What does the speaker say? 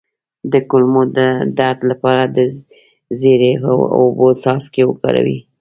د کولمو د درد لپاره د زیرې او اوبو څاڅکي وکاروئ